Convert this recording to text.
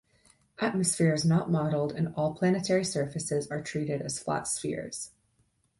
Atmosphere is not modeled and all planetary surfaces are treated as flat spheres.